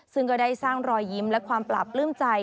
ซึ่งก็ได้สร้างรอยยิ้มและความปราบปลื้มใจ